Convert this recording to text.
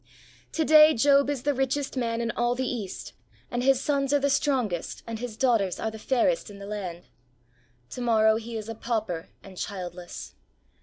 To day Job is the richest man in all the East, and his sons are the strongest and his daughters are the fairest in the land ; to morrow he is a pauper and childless.